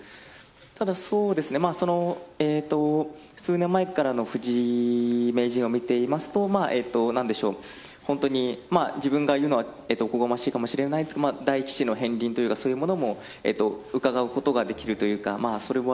ただ、数年前からの藤井名人を見ていますと本当に自分が言うのはおこがましいかもしれませんが大棋士の片鱗というかそういうものもうかがうことができるというか。